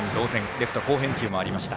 レフト好返球もありました。